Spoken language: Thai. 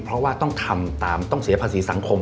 เพราะว่าต้องทำตามต้องเสียภาษีสังคม